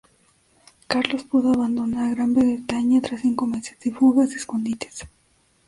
Carlos pudo abandonar Gran Bretaña tras cinco meses de fugas y escondites.